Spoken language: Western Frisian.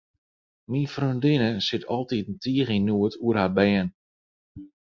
Myn freondinne sit altiten tige yn noed oer har bern.